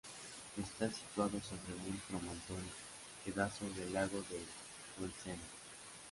Está situado sobre un promontorio que da sobre el lago de Bolsena.